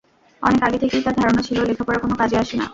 অনেক আগে থেকেই তার ধারণা ছিল লেখাপড়া কোনো কাজে আসে না।